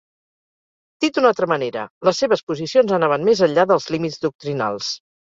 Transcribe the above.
Dit d'una altra manera, les seves posicions anaven més enllà dels límits doctrinals.